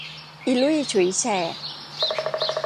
อีลุ่ยฉุยแฉก